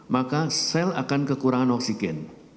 maka sel akan kekurangan oksigen